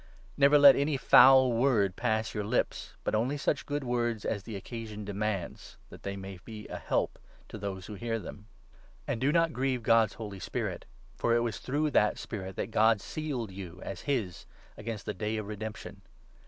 Never let any foul word pass your lips, but only such 29 good words as the occasion demands, that they may be a help to those who hear them. And do not grieve God's Holy Spirit ; 30 for it was through that Spirit that God sealed you as his, against the Day of Redemption.